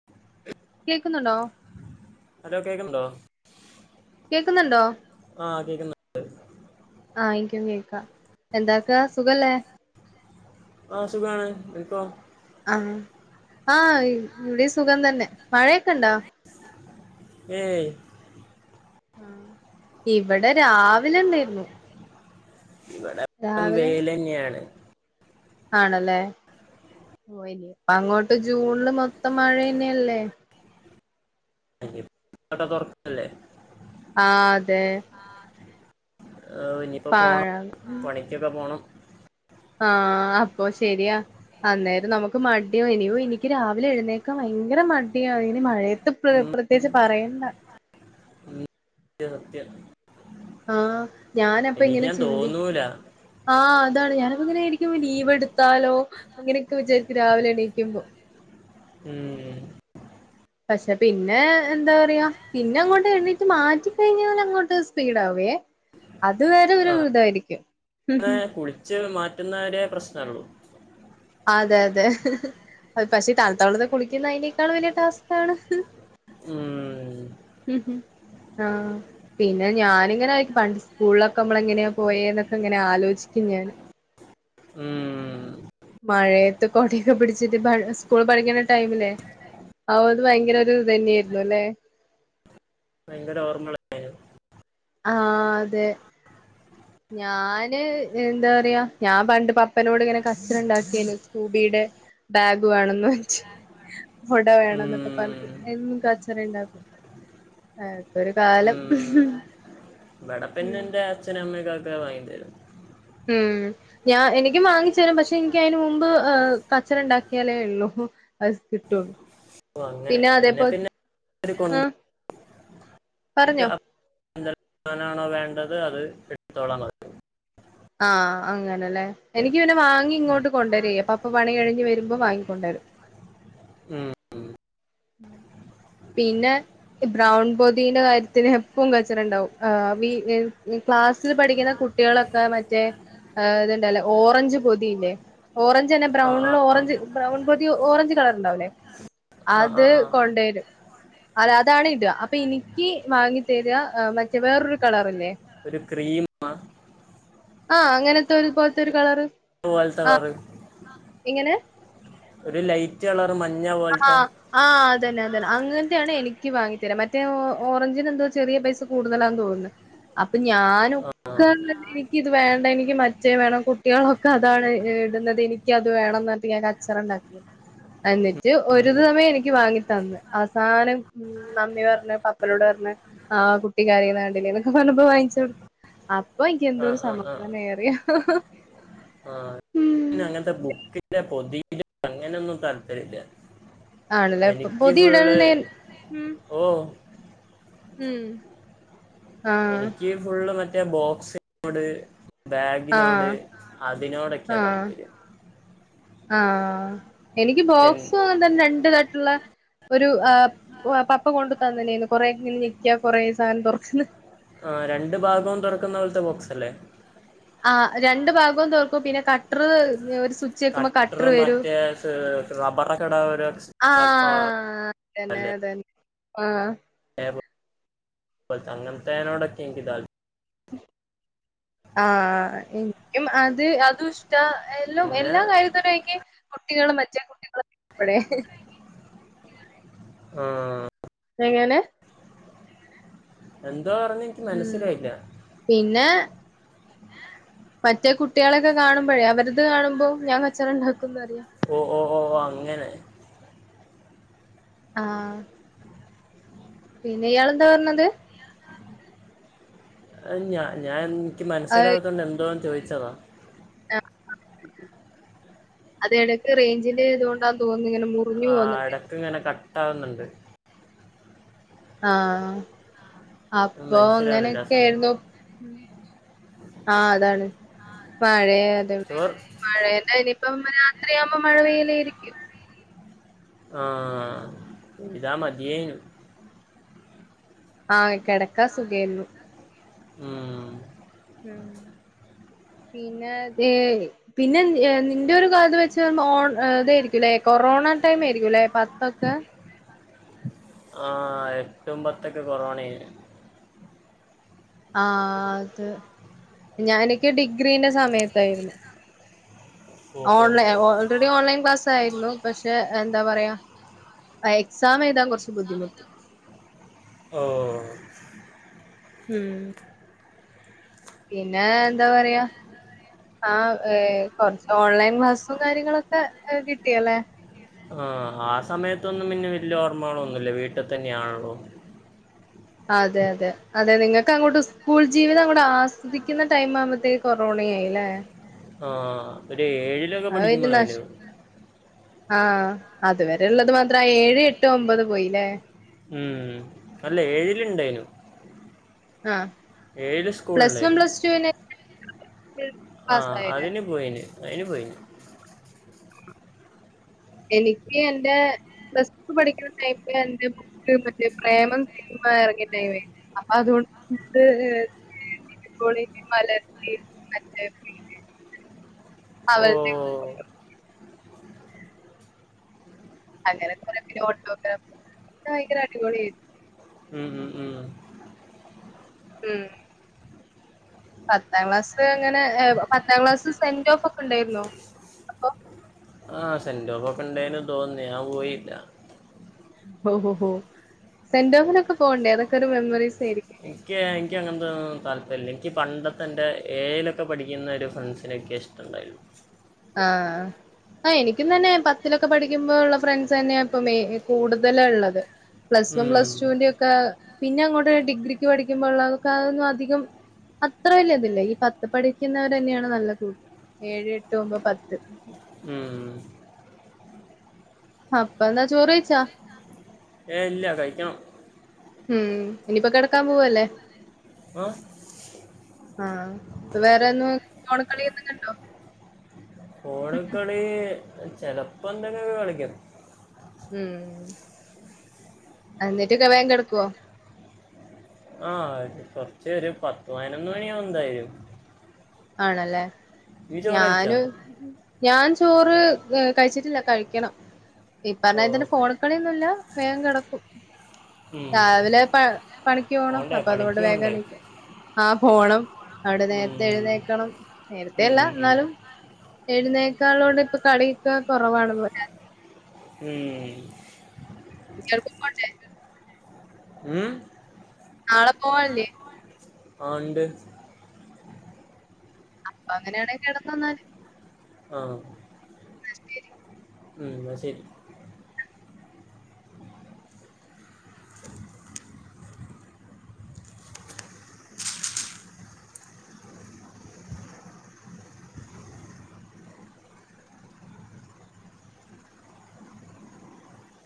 [inaudible] കേക്ക്ന്നുണ്ടോ ഹലോ കേക്ക്ന്ന്ണ്ടോ കേക്ക്ന്ന്ണ്ടോ ആഹ് കേക്ക്ന്ന് ആഹ് ഇൻക്ക്യും കേക്കാ എന്താക്കാ സുഖല്ലേ ആഹ് സുഖാണ് അൻക്കോ ആഹ് ആഹ് ഇവിടേം സുഖം തന്നെ മഴയൊക്കെ ഇണ്ടോ ഏയ് ആഹ് ഇവടെ രാവിലെണ്ടായിര്ന്നു ഇപ്പം വൈലന്ന്യാണ് ആണല്ലേ ഓ ഇപ്പങ്ങോട്ട് ജൂൺല് മൊത്തം മഴന്നെയല്ലേ കട തൊറക്കല്ലേ ആഹ് അതെ ഏഹ് ഇനിയിപ്പോ പോണം പാഴാണ് പണിക്ക്യക്കെ പോണം ആഹ് അപ്പൊ ശരിയാ അന്നേരം നമുക്ക് മടിയനോ എനിക്ക് രാവിലെ എഴുന്നേക്കാൻ ഭയങ്കര മടിയാ ഇനി മഴയത്ത് ഇപ്പൊ ഉം, പ്രത്യേയിച്ച് പറയണ്ട ഉം, സത്യം ആഹ് ഞാനപ്പ ഇങ്ങനെ എണീക്കാൻ ചിന്തി തോന്നൂല ആഹ് അതാണ് ഞാനപ്പങ്ങനെ എണീക്കുമ്പ ലീവ് എടുത്താലോ അങ്ങനൊക്കെ വിചാരിക്കും രാവിലെ എണീക്കുമ്പോ ഉം പക്ഷെ പിന്നെ എന്താ പറയാ, പിന്നെ അങ്ങോട്ട് എണീറ്റ് മാറ്റിക്കഴിഞ്ഞാൽ അങ്ങോട്ട് സ്പീഡ ആവുവേ അത് വരെ ഒരു ഇതായിരിക്കും ഉം ഉം കുളിച്ചു മാറ്റുന്നവരേ പ്രശ്നള്ളൂ അതെ അതെ അ പക്ഷെ താണുത്ത വെളള കുളിക്കുന്ന അതിനേക്കൾ വലിയ ടാസ്കാണ് ഉം, ആഹ് പിന്നെ ഞാനിങ്ങനെ ആയിരിക്കും പണ്ട് സ്കൂളിലൊക്കെ നമ്മള എങ്ങനെയ പോയേ എന്നൊക്കെ ഇങ്ങനെ ആലോചിക്കും ഞാന്. ഉം മഴയത്ത് കൊടയൊക്കെ പിടിച്ചിട്ട് ബ സ്കൂൾ പഠിക്കണ ടൈമില്ലേ [unintelligible] ഒരു ഭയങ്കര ഒരു ഇത് തന്നെയായിരുന്നു അല്ലെ ഭയങ്കര ഓർമ്മകളരുന്നു ആഹ് അതെ ഞാന് എന്താ പറയാ, ഞാൻ പണ്ട് പപ്പനോട് ഇങ്ങനെ കച്ചറ ഉണ്ടാക്കിയാനു സ്കൂബിടെ. ബാഗ് വേണന്ന് വച്ച് കൊട വേണംന്നൊക്കെ ഉം, പറഞ്ഞിട്ട് എന്നും കച്ചറ ഉണ്ടാക്കും അതൊരു കാലം ഉം. ഇവിടെ പിന്നെ ഉം എന്റെ അച്ഛനും അമ്മയ്ക്കൊക്കെ വാങ്ങി തരുന്നു ഉം ഞാൻ എനിക്കും വാങ്ങിച്ച് തരും പക്ഷെ എനിക്ക് അതിന് മുമ്പ് ഏഹ് കച്ചറ ഉണ്ടാക്കിയാലേ ഉള്ളു അത് കിട്ടുള്ളൂ ഓ അങ്ങനെ പിന്നെ അതേ എന്നെ പോലെ പിന്നെ ആഹ് [unintelligible] ആണോ വേണ്ടത് അത് എടുത്തോളാ [unintelligible] ആഹ് അങ്ങനെല്ലേ, എനിക്കി പിന്നെ വാങ്ങി ഉം. ഇങ്ങോട്ട് കൊണ്ടെരെയ് അപ്പ പണി കഴിഞ്ഞ് വരുമ്പോ വാങ്ങിക്കൊണ്ടരും ഉം പിന്നെ ബ്രൗൺ പൊതിന്റെ കാര്യത്തിന് എപ്പും കച്ചറണ്ടാവും ആഹ് വീ വി ക്ലാസ്സിൽ പഠിക്കുന്ന കു കുട്ടിയേളൊക്കെ മറ്റേ ഏഹ് ഇത്ണ്ടല്ലൊ ഓറഞ്ച് പൊതില്ലെ ഓറഞ്ച് തന്നെ ആ ആ ബ്രൗണിൽ ആ ഓറഞ്ച് ബ്രൗൺ പൊതി ഓറഞ്ച് കളർ ഉണ്ടാവുലേ ആ അത് ആ ആ തരും അത് അതാണ് ഇട അപ്പൊ ഇനിക്ക് വാങ്ങി തര ഏഹ് മറ്റേ വേറൊരു കളറില്ലേ. ഒരു ക്രീം ആഹ് അങ്ങനത്തെ ഒരു പോലത്തെ ഒരു കളറ് [unintelligible] വാൽത്ത കളറ് അഹ് ഇങ്ങനെ ഒരു ലൈറ്റ് കളറ് മഞ്ഞ പോലത്തെ ആഹ് ആഹ്, അതന്നെ അതന്നെ അങ്ങനത്തെയാണ് എനിക്ക് വാങ്ങി തരാ മറ്റേ ഓ ഓറഞ്ചിന് എന്തോ ഒരു ചെറിയ പൈസ കൂടുതലാന്ന് തോന്നുന്ന് അപ്പൊ ഞാനൊക്കെ ആ [unintelligible] എനിക്ക് ഇത് വേണ്ട എനിക്ക് മ ഇച്ചത്‌ വേണം കുട്ടികളൊക്കെ അതാണ് ഈ ഇടുന്നത് എനിക്ക് അത് വേണംന്ന് പറഞ്ഞിട്ട് ഞാൻ കച്ചറ ഉണ്ടാക്കും എന്നിട്ട് ഒരു സമയം എനിക്ക് വാങ്ങി തന്ന് അവസാനം ഉം നന്ദി പറഞ്ഞ പപ്പനോട് പറഞ്ഞ് ആ കുട്ടി കരയുന്ന കണ്ടില്ലേ എന്നൊക്കെ പറഞ്ഞപ്പോ വാങ്ങിച്ച് കൊടുത്തു അപ്പൊ എനിക്ക് എന്തോ ആ ഒരു സമാധാന ആയി അറിയ ആഹ് പിന്നെ അങ്ങനത്തെ ബുക്കിന്റെ പൊതി അങ്ങനൊന്നും താല്പര്യല്ല. ആണല്ലേ എനിക്ക് പൊതി ഫുള്ള് ഇടലിന് ഉം ഓഹ് ഉം ആഹ് എനിക്ക് ഫുള്ള് മറ്റേ ബോക്സിനോട് ബാഗിനോട് ആഹ് അതിനോടൊക്കെയാ ആഹ് താല്പര്യം ആഹ് എനിക്ക് പെൻ ബോക്സ് തന്നെ രണ്ട് തട്ടുള്ള ഒരു ആഹ് ഒ അ പപ്പ കൊണ്ടു തന്നില്ലായിരുന്നോ കൊറെ ഇങ്ങനെ നെക്കിയാ കൊറേ സാധനം തൊറച്ച്ന് ആഹ് രണ്ടു ഭാഗവും തുറക്കുന്ന പോലത്തെ ബോക്സ് അല്ലേ ആഹ് രണ്ട് ഭാഗവും തൊർക്കും പിന്നെ ക കട്ടറും മറ്റേ സേ റബ്ബറൊക്കെയിടാൻ ഒരു അച്ച് [unintelligible] ക്കോ തന്നെ അതന്നെ ആഹ് [unintelligible] അങ്ങൻ ത്തേനോടൊക്കെ എനിക്ക് താൽ ആഹ് എനിക്കും അത് അതും ഇഷ്ട ല്ലും പിന്നെ എല്ലാ കാര്യത്തിലും എനിക്ക് കുട്ടികളും മറ്റെ കുട്ടികളും ആഹ് എങ്ങനെ എന്തോ പറഞ്ഞ് ഉം മനസ്സിലായില്ല പിന്നെ മറ്റേ കുട്ടികളൊക്കെ കാണുമ്പോഴേ അവരത് കാണുമ്പോൾ ഞാൻ കച്ചറ ഉണ്ടാക്കുംന്ന് അറിയാം ഓ ഓ ഓ ഓ അങ്ങനെ ആഹ് പിന്നെ ഇയാൾ എന്താ പറഞ്ഞത് ഞാ ഞാൻ എനിക്ക് അത് മനസ്സിലാകതോണ്ട് എന്തോവാന്ന് ചോദിച്ചതാ ആഹ് അതടക്ക് റേഞ്ചിന്റെ ഇതണ്ട് താ തോന്ന ഇങ്ങനെ മുറിഞ്ഞു പോവുന്നു ഇടക്ക് ഇങ്ങനെ കട്ടകുന്നുണ്ട് ആഹ് അപ്പൊ മനസ്സിലാകുന്നില്ല ആ അങ്ങനെയൊക്കെ സമയം ആയിരുന്നു ആഹ് അതാണ് മഴയ അതെവിടെ ചോർ മഴ ഇപ്പം രാത്രിയാവുമോ മഴ പെയ്യയിലായിരിക്കും ആഹ് ഇതാ മതിയെന്നു ആഹ കിടക്കാ സുഖേരുന്നു ഉം ഉം പിന്നെ തെ പിന്നെ നിന്റെ ഒരു ക വെച്ച ഓ ഇതായിരിക്കുംല്ലേ കൊറോണ ടൈം ആയിരിക്കുംല്ലെ പത്തൊക്കെ ആഹ് എട്ടും പത്തൊക്കെ കൊറോണ ആഹ് അത് ഞാൻ എനിക്ക് ഡിഗ്രീന്റെ സമയത്തായിരുന്നു ഓ ഓ ഓൺലൈൻ ഓ ഓൾറെഡി ഓൺലൈൻ ക്ലാസ് ആയിരുന്നു പക്ഷെ എന്താ പറയാ എക്സാം എഴതാൻ കുറച്ച് ബുദ്ധിമുട്ടി ഓ ഉം പിന്നെ എന്താ പറയാ ആഹ് കുറച്ച് ഓൺലൈൻ ക്ലാസും കാര്യങ്ങളൊക്കെ കിട്ടിയല്ലേ ആഹ ആ സമയത്തൊന്നും പിന്നെ വലിയ ഓർമ്മകളോ ഒന്നുല്ല വീട്ടിൽ തന്നെയാണള്ളോ അതെ അതെ അതെ നിങ്ങൾക്ക് അങ്ങോട്ട് സ്കൂൾ ജീവിതം അങ്ങോട്ട് ആസ്വദിക്കുന്ന ടൈം ആവുമ്പോത്തേക്ക് കൊറോണയയില്ലേ ആഹ് ഒരു ഏഴിലൊക്കെ പഠിക്കുമ്പളെന്നു ആഹ അതുവരെ ഉള്ളത് മാത്ര ഏഴ് എട്ടോ ഒമ്പത് പോയില്ലേ ഉം അല്ല ഏഴിലുണ്ടായനും ആഹ് പ്ലസ് വൺ പ്ലസ് ടു പിന്നെ ആഹ് അതിന് പോയിന് അതിന് പോയിന് എനിക്ക് എന്റെ പ്ലസ്ടു പഠിക്കുന്ന ടൈ എന്റെ ബുക്ക് മറ്റേ പ്രേമം ഇറങ്ങി ടൈമേ അപ്പൊ അതുകൊണ്ട് [unintelligible] ആഹ് അങ്ങനെ കുറെപിന്നെ ഓട്ടോഗ്രാഫ് ഭയങ്കര അടിപൊളിയായിരുന്നു ഉം ഉം ഉം ഉം പത്താം ക്ലാസ് അങ്ങനെ പത്താം ക്ലാസ് സെന്റ് ഓഫ് ഒക്കെ ഉണ്ടായിരുന്നു അപ്പൊ ആഹ് സെൻടോഫൊക്കെ ഉണ്ടായിനു തോന്നുന്നു ഞാൻ പോയില്ല ഓ ഓ സെന്റോഫ്നൊക്കെ പോണ്ടേ അതൊക്കെ ഒരു മെമ്മറീസ് ആയിരിക്കും എനിക്ക് എനിക്ക്ങ്ങനത്തെന്നും താല്പര്യമില്ല എനിക്ക് പണ്ടത്തെ എൻ്റെ ഏഴിലൊക്കെ പഠിക്കുന്ന ഒരു ഫ്രണ്ട്സിനെയൊക്കെ ഇഷ്ടം ണ്ടായിരുന്നു ആഹ് ആഹ് എനിക്കും തന്നെ പത്തിലൊക്കെ പഠിക്കുമ്പോ ഉള്ള ഫ്രണ്ട്സ് തന്നെയ ഇപ്പൊ മ കൂടുതല് ഉള്ളത് പ്ലസ് വൺ ഉം. പ്ലസ് ടുൂവിന്റെ ഒക്കെ പിന്നെ അങ്ങോട്ട് ഡിഗ്രിക്ക് പഠിക്കുമ്പോള്ളതൊക്ക അതൊന്നും അധികം അത്ര വല്ല്യ ഇതില്ല ഈ പത്ത് പഠിക്കുന്നവർന്നെയാണ് നല്ല കൂട്ട് ഏഴ്ട്ട് എട്ട് ഒമ്പത് പത്ത് ഉം അപ്പ എന്താ ചോറ്യ്ച്ചാ ഏഹ് ഇല്ല കഴിക്കണം ഉം ഇനിയിപ്പോ കിടക്കാൻ പോവല്ലേ ഓഹ് ആഹ് അ വേറെ ഒന്നും ഫോണ് കളിന്നൊണ്ടോ ഫോണ് കളി ചെലപ്പോൾ ചിലപ്പോങ്ങനെ കളിക്കും ഉം അനിയത്ത്യാക്കെ വേഗം കിടക്കുവോ ആഹ് കൊറച്ച് ഒരു പത്ത് പതിനൊന്ന് മണിയാവും എന്തായാലും ആണല്ലേ നീ ചോറ് കഴിച്ചാ ഞാനും ഞാൻ ചോറ് കഴിച്ചിട്ടില്ല കഴിക്കണംഇപ്പൊ ഓ പറഞ്ഞാതിരി ഇതിന്റെ ഓക്കെ ഫോണ് കളിന്നുംല്ല വേഗം കിടക്കും രാവിലെ പണിക്ക് പോണം പോണ്ടേ അപ്പൊ അതുകൊണ്ട് പണിക്ക് വേഗം പോണ്ടേ എണിക്കും ആഹ് പോണം അവിടെ നേരത്തെ ഉം. എഴുന്നേക്കണം നേരത്തെ ഉം, അല്ല ഉം, ഉം. എന്നാലും എഴുന്നേക്കാളോട് ഇപ്പൊ കളിയൊക്കെ കുറവാണ് പോ ഏഹ് ഇയാൾക്ക് പോണ്ടേ ഉം നാളെ പോവാനല്ലേ ആണ്ട് അപ്പൊ അങ്ങനെയാണെങ്കിൽ കിടന്നോന്നാല് ആഹ് എന്നാ ശരി